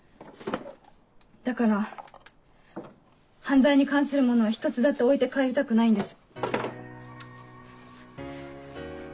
だから犯罪に関するものは１つだって置いて帰りたくないんです。